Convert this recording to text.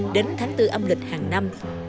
đến tháng bốn âm lịch hàng năm